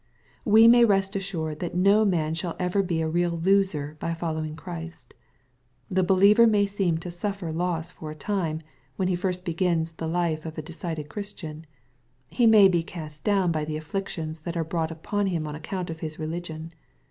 We may rest assured that no man shall ever be a real loser by following Christ. The believer may seem to suffer loss for a time, when he first begins the life of a decided Christian. He may be much cast down by the ajQiictions that are brought upon him on account of his religion.